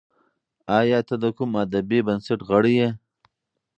ایا ته د کوم ادبي بنسټ غړی یې؟